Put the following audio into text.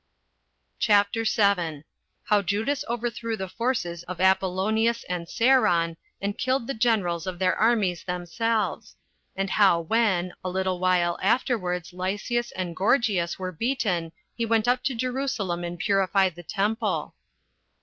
CHAPTER 7. How Judas Overthrew The Forces Of Apollonius And Seron And Killed The Generals Of Their Armies Themselves; And How When, A Little While Afterwards Lysias And Gorgias Were Beaten He Went Up To Jerusalem And Purified The Temple.